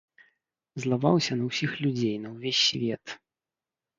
Злаваўся на ўсіх людзей, на ўвесь свет.